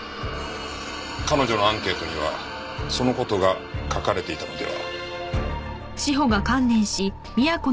彼女のアンケートにはその事が書かれていたのでは？